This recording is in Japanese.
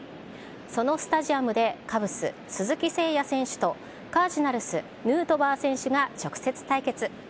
そのスタジアムで、カブス、鈴木誠也選手と、カージナルス、ヌートバー選手が直接対決。